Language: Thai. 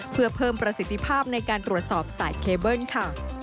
เพื่อเพิ่มประสิทธิภาพในการตรวจสอบสายเคเบิ้ลค่ะ